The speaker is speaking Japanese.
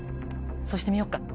そうしてみよっか。